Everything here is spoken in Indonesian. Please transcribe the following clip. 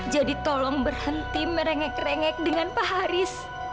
jadi tolong berhenti merengek rengek dengan pak haris